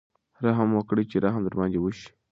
رحم وکړئ چې رحم در باندې وشي.